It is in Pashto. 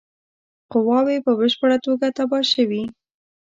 قواوي په بشپړه توګه تباه شوې.